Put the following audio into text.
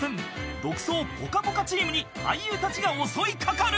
［独走ぽかぽかチームに俳優たちが襲い掛かる］